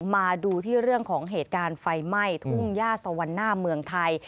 มาดูที่เรื่องของเหตุการณ์ไฟไหม้ทุ่งย่าสวรรค์หน้าเมืองไทย